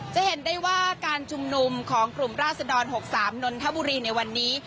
จะเห็นได้ว่าการชุมนุมของกลุ่มราศดร๖๓นนทบุรีในวันนี้